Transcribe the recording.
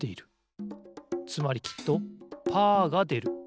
つまりきっとパーがでる。